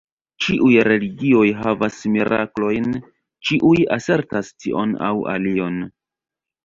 Ĉiuj religioj havas miraklojn, ĉiuj asertas tion aŭ alion.